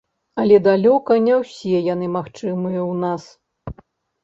Але далёка не ўсе яны магчымыя ў нас.